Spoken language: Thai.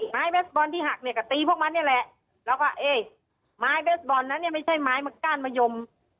ไม้เบสบอลที่หักเนี่ยก็ตีพวกมันนี่แหละแล้วก็เอ๊ะไม้เบสบอลนั้นเนี่ยไม่ใช่ไม้มาก้านมะยม